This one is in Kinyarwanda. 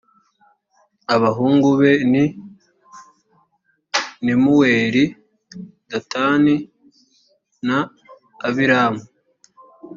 abahungu be ni nemuweli, datani na abiramu.